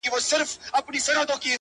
• د ميني داغ ونه رسېدی؛